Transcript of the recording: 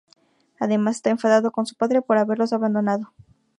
Además, está enfadado con su padre por haberlos abandonado.